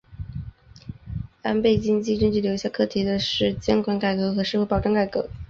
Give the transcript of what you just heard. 安倍经济政策留下课题的是监管改革和社会保障改革。